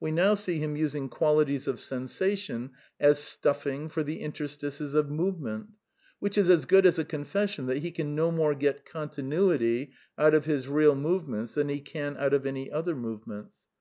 We now see him using qualities VITALISM 55 of sensation as stuffing for the interstices of movement, which is as good as a confession that he can no more get continuity out of his " real '' movements than he can out of any other movements.